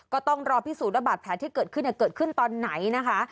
ก็ต้องรอพิสูจนว่าบาดแผลที่เกิดขึ้นเกิดขึ้นตอนไหนนะคะ